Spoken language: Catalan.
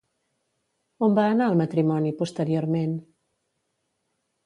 On va anar el matrimoni posteriorment?